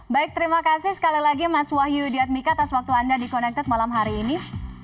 baik terima kasih sekali lagi mas wahyu diadmika atas waktu anda di connected malam hari ini